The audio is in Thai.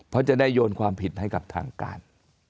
เพราะจะได้โยนความผิดให้กับทางการ